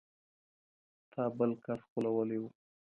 تا بل کس غولولی و.